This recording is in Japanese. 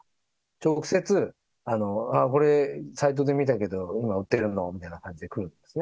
直接、ああ、これサイトで見たけど、今、売ってるの？みたいな感じで来るんですね。